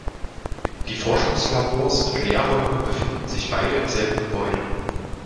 Die Forschungslabors und Lehrräume befinden sich beide im selben Gebäude.